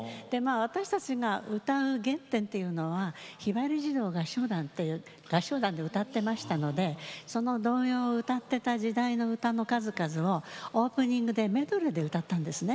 私たちが歌う原点というのはひばり児童合唱団という合唱団で歌っていましたのでその童謡を歌っていた時代の歌の数々をオープニングでメドレーで歌ったんですね。